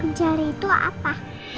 penjara itu apa